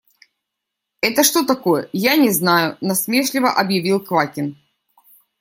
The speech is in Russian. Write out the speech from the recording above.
Это что такое, я не знаю, – насмешливо объявил Квакин.